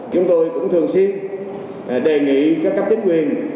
chúng tôi cũng thường xuyên đề nghị các cấp chính quyền